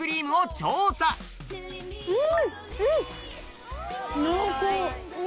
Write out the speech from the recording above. うん！